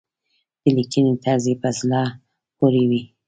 د لیکنې طرز يې په زړه پورې وي.